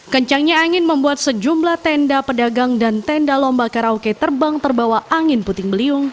kencangnya angin membuat sejumlah tenda pedagang dan tenda lomba karaoke terbang terbawa angin puting beliung